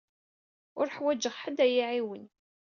Ur uḥwaǧeɣ ḥedd ad y-iɛiwen.